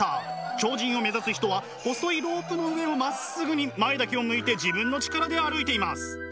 超人を目指す人は細いロープの上をまっすぐに前だけを向いて自分の力で歩いています。